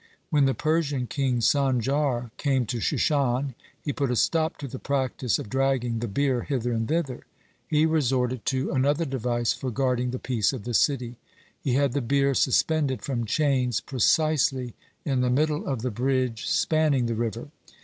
When the Persian king Sanjar came to Shushan, he put a stop to the practice of dragging the bier hither and thither. He resorted to another device for guarding the peace of the city. He had the bier suspended from chains precisely in the middle of the bridge spanning the river.